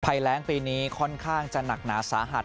แรงปีนี้ค่อนข้างจะหนักหนาสาหัส